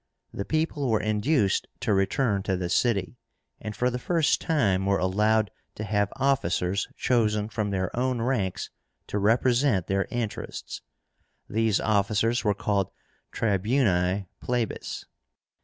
the people were induced to return to the city, and for the first time were allowed to have officers chosen from their own ranks to represent their interests. These officers were called Tribúni Plebis.